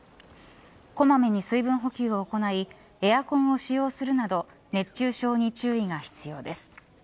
小まめに水分補給を行いエアコンを使用するなど熱中症に注意が必要です。